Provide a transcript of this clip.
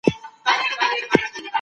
تعاون د ژوند خوږلني ده.